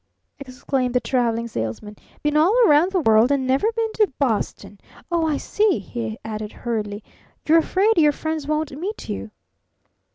exclaimed the Traveling Salesman. "Been all around the world and never been to Boston? Oh, I see," he added hurriedly, "you're afraid your friends won't meet you!"